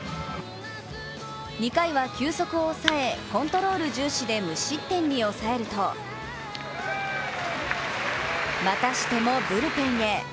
２回は球速を抑え、コントロール重視で無失点に抑えるとまたしても、ブルペンへ。